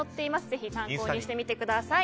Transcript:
ぜひ参考にしてみてください。